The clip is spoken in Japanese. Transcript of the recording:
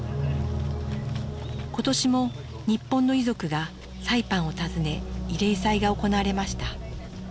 今年も日本の遺族がサイパンを訪ね慰霊祭が行われました。